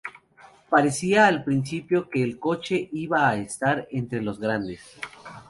Parecía al principio que el coche iba a estar entre los grandes.